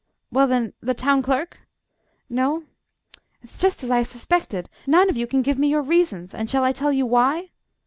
Well, then, the Town Clerk?... No? it's just as I suspected: none of you can give me your reasons, and shall I tell you why?